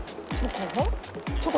チョコ？